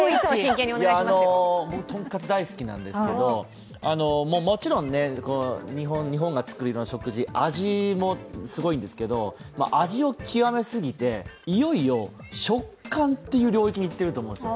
とんかつ大好きなんですけどもちろん日本が作る食事味もすごいんですけれども味を極めすぎて、いよいよ食感という領域にいっていると思うんですよ。